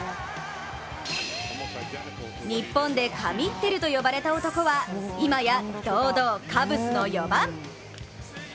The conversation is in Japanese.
日本で神ってると呼ばれた男は今や堂々、カブスの４番。